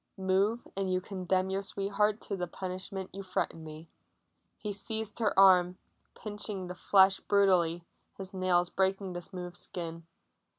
"Move and you condemn your sweetheart to the punishment you threaten me." He seized her arm, pinching the flesh brutally, his nails breaking the smooth skin.